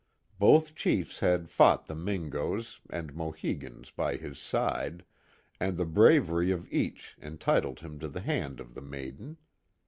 Both chiefs had fought the Mtngoes an<l Mohegans by his side, and the braver)' of each entitled him to the hand of the maiden.